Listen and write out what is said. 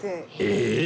えっ？